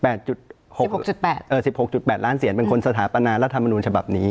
เออ๑๖๘ล้านเศียรเป็นคนสถาปนารัฐธรรมนุนฉบับนี้